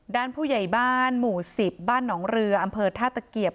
ด้านผู้ใหญ่บ้านหมู่๑๐บ้านหนองเรืออำเภอท่าตะเกียบ